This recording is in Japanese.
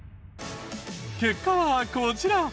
結果はこちら。